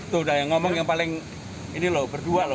tuh udah yang ngomong yang paling ini loh berdua loh